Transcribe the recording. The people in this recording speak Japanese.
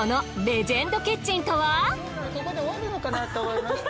そのここで終わるのかなと思いました。